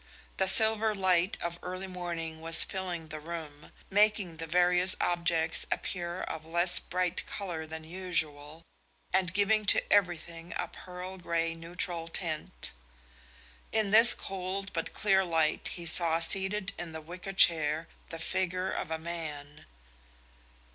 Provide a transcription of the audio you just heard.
The silver light of early morning was filling the room, making the various objects appear of less bright colour than usual, and giving to everything a pearl grey neutral tint. In this cold but clear light he saw seated in the wicker chair the figure of a man.